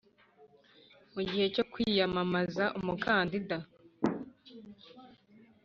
Mu gihe cyo kwiyamamaza umukandida